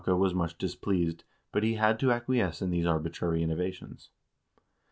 Erling Skakke was much displeased, but he had to acquiesce in these arbitrary innovations.